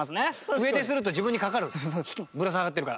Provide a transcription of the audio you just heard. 上ですると自分にかかるぶら下がってるから。